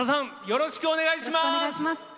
よろしくお願いします。